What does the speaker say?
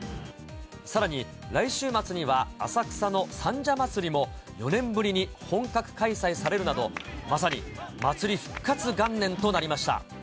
さらに、来週末には浅草の三社祭りも、４年ぶりに本格開催されるなど、まさに祭り復活元年となりました。